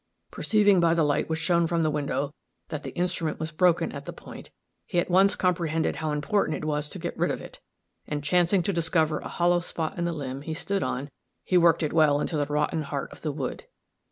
Perceiving by the light which shone from the window that the instrument was broken at the point, he at once comprehended how important it was to get rid of it, and chancing to discover a hollow spot in the limb he stood on, he worked it well into the rotten heart of the wood.